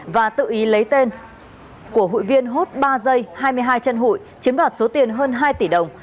và tự ý lấy tên của hụi viên hốt ba dây hai mươi hai chân hụi chiếm đoạt số tiền hơn hai tỷ đồng